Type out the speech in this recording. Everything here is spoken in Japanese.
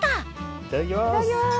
いただきます。